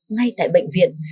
ngay tại bệnh viện